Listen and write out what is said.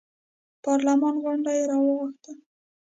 پارلمان غونډه یې راوغوښته.